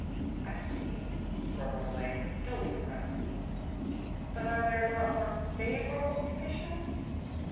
"I see," murmured Elaine, duly impressed, "but are there not more favourable conditions?"